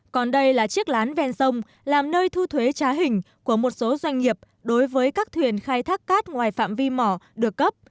còn đây là chiếc lán ven sông làm nơi thu thuế trá hình của một số doanh nghiệp đối với các thuyền khai thác cát ngoài phạm vi mỏ được cấp